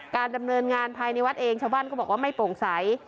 ดำเนินงานภายในวัดเองชาวบ้านก็บอกว่าไม่โปร่งใส